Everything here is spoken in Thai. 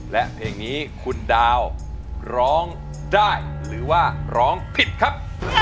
และเพลงนี้คุณดาวร้องได้หรือว่าร้องผิดครับ